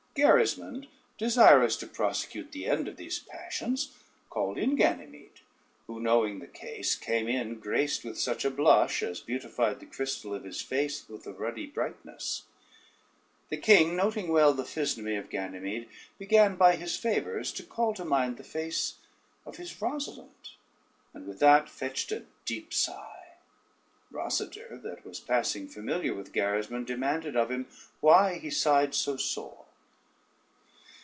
Gerismond, desirous to prosecute the end of these passions, called in Ganymede, who, knowing the case, came in graced with such a blush, as beautified the crystal of his face with a ruddy brightness. The king noting well the physnomy of Ganymede, began by his favors to call to mind the face of his Rosalynde, and with that fetched a deep sigh. Rosader, that was passing familiar with Gerismond, demanded of him why he sighed so sore.